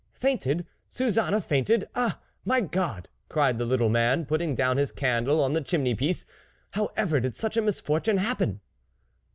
" Fainted ! Suzanne fainted ! Ah ! my God !" cried the little man, putting down his candle on the chimney piece, " how ever did such a misfortune happen